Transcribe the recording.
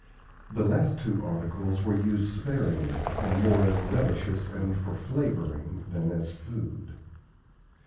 The last two articles were used sparingly, and more as relishes and for flavoring than as food.